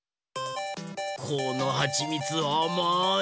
このはちみつあまい！